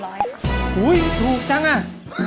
โอ้โฮถูกจังอ่ะ